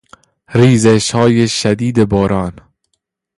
ریزشهای شدید باران